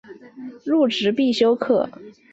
入职必修课